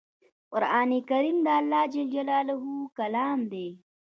قرآن کریم د الله ج کلام دی